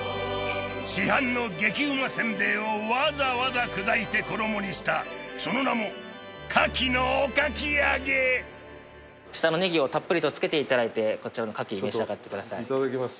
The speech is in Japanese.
市販の激うま煎餅をわざわざ砕いて衣にしたその名もカキのおかき揚げ下のネギをたっぷりとつけていただいてこちらのカキ召し上がってくださいいただきます